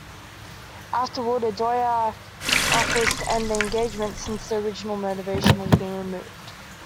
Afterward, Aouda offers to end the engagement since the original motivation has been removed.